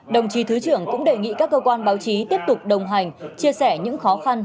đồng chí thứ trưởng cũng đề nghị các cơ quan báo chí tiếp tục đồng hành chia sẻ những khó khăn